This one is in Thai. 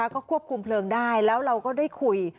ก็ควบคุมเพลิงได้แล้วเราก็ได้คุย